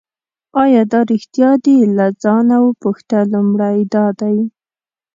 آیا دا ریښتیا دي له ځانه وپوښته لومړی دا دی.